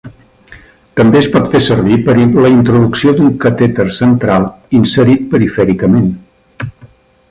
També es pot fer servir per a la introducció d'un catèter central inserit perifèricament.